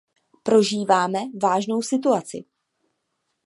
Prožíváme vážnou situaci.